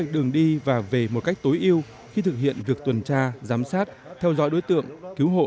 đường đi và về một cách tối ưu khi thực hiện việc tuần tra giám sát theo dõi đối tượng cứu hộ